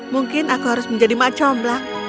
mungkin aku harus menjadi mak comblak